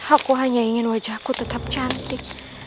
aku hanya ingin wajahku tetap cantik